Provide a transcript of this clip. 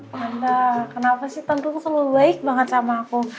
tante kenapa sih tante selalu baik banget sama aku